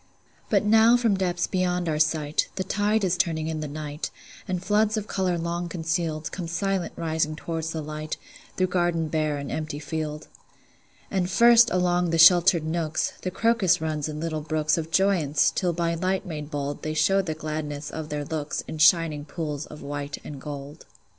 But now from depths beyond our sight, The tide is turning in the night, And floods of color long concealed Come silent rising toward the light, Through garden bare and empty field. And first, along the sheltered nooks, The crocus runs in little brooks Of joyance, till by light made bold They show the gladness of their looks In shining pools of white and gold.